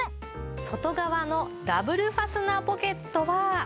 外側のダブルファスナーポケットは。